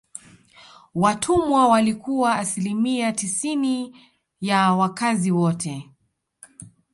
Watumwa walikuwa asilimia tisini ya wakazi wote